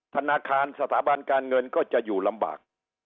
ธนาคารสถาบันการเงินก็จะอยู่ลำบาก